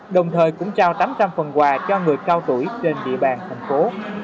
đồng thời cũng trao tám trăm linh phần quà cho người cao tuổi trên địa bàn thành phố